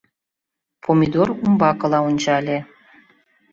Помидор умбакыла ончале.